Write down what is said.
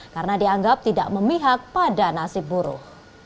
karena dianggap tidak memihak pada nasib buruh